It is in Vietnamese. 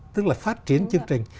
tức là phát triển chương trình